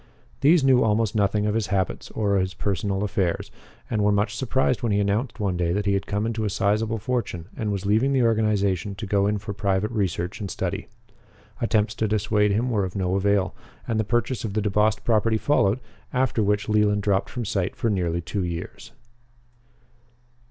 These knew almost nothing of his habits or of his personal affairs, and were much surprised when he announced one day that he had come into a sizable fortune and was leaving the organization to go in for private research and study. Attempts to dissuade him were of no avail, and the purchase of the DeBost property followed, after which Leland dropped from sight for nearly two years.